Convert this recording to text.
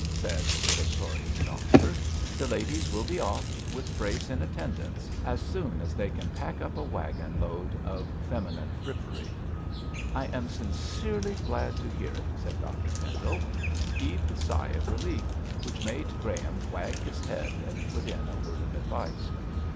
said the victorious doctor. 'The ladies will be off, with Brace in attendance, as soon as they can pack up a waggon load of feminine frippery.' 'I am sincerely glad to hear it,' said Dr Pendle, and heaved a sigh of relief which made Graham wag his head and put in a word of advice.